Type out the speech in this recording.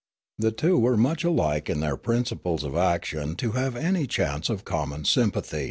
The two were too much alike in their principles of action to have any chance of common sympath)'.